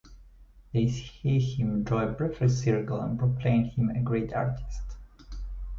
They see him draw a perfect circle and proclaim him a great artist.